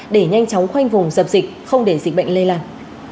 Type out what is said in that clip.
để nhanh chóng khoanh vùng dập dịch không để dịch bệnh lây lan